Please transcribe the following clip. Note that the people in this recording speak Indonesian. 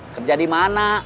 kerja di mana